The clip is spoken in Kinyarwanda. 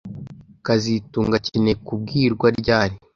kazitunga akeneye kubwirwa ryari